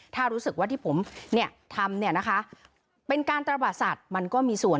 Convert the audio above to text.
ถ้ารู้สึกว่าที่ผมทำเป็นการตระบาสัดมันก็มีส่วน